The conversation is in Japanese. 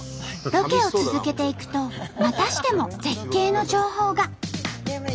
ロケを続けていくとまたしても絶景の情報が。